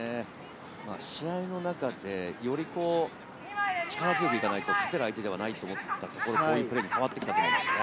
試合の中で、より力強く行かないと勝てる相手ではないというのが、こういうプレーに変わってきましたね。